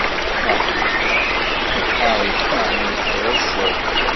Ax, iqqaṛ-it, meɛna ittɛuccuṛ.